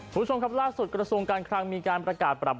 มคคราวสุดกระทรวงการคลังมีการประกาศปลับ